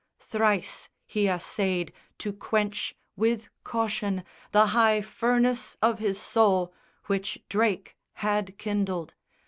Thrice he assayed to quench With caution the high furnace of his soul Which Drake had kindled.